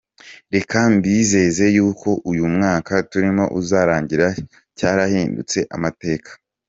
Reka mbizeze yuko uyu mwaka turimo uzarangira cyarahindutse amateka.